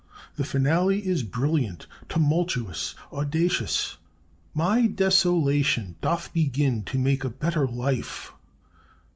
"The finale is brilliant, tumultuous, audacious." "'My desolation doth begin to make a better life.'